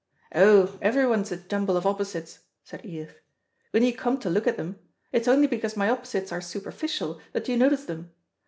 "Oh, everyone's a jumble of opposites," said Edith, "when you come to look at them. It's only because my opposites are superficial, that you notice them.